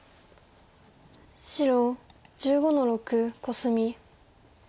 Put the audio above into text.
白１５の六コスミ。